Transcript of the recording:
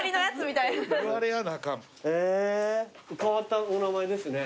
えー変わったお名前ですね。